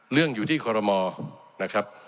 เรื่องอยู่ที่คอลโลมอร์